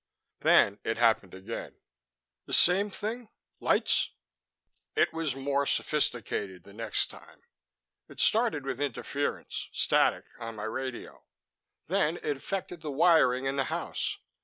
Then it happened again." "The same thing? Lights?" "It was more sophisticated the next time. It started with interference static on my radio. Then it affected the wiring in the house.